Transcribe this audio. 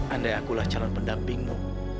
andai akulah calon pendampingmu